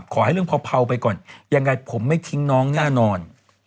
ขอให้เรื่องเผาไปก่อนยังไงผมไม่ทิ้งน้องแน่นอน